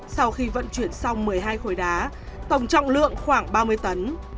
sau khi vận chuyển xong một mươi hai khối đá tổng trọng lượng khoảng ba mươi tấn